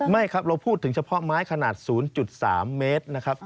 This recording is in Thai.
ไม่ครับเราพูดถึงเฉพาะไม้ขนาด๐๓เมตรนะครับ